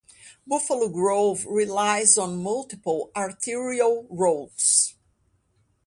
Buffalo Grove relies on multiple arterial roads.